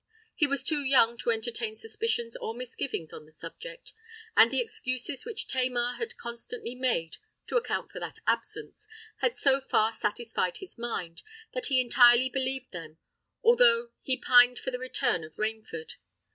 He was too young to entertain suspicions or misgivings on the subject; and the excuses which Tamar had constantly made to account for that absence, had so far satisfied his mind, that he entirely believed them, although he pined for the return of Rainford.